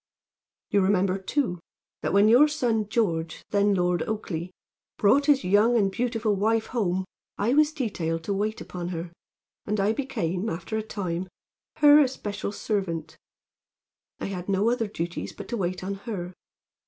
"You remember too, that when your son George, then Lord Oakleigh, brought his young and beautiful wife home I was detailed to wait upon her, and I became, after a time, her especial servant. I had no other duties but to wait on her.